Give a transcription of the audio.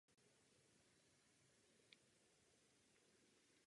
Své domácí zápasy odehrává na stadionu Podlesí.